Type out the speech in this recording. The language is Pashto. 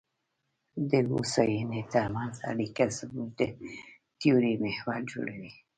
د هوساینې ترمنځ اړیکه زموږ د تیورۍ محور جوړوي.